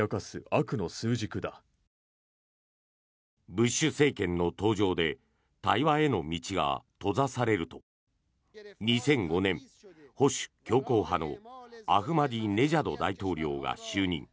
ブッシュ政権の登場で対話への道が閉ざされると２００５年、保守強硬派のアフマディネジャド大統領が就任。